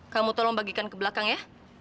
kamu tolong bagikan ke belakang ya